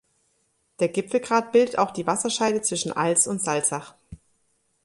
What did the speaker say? Der Gipfelgrat bildet auch die Wasserscheide zwischen Alz und Salzach.